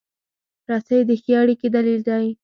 رسۍ د ښې اړیکې دلیل دی.